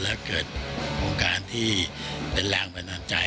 แล้วเกิดโครงการที่เป็นแรงบันดาลใจ